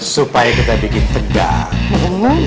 supaya kita bikin tegang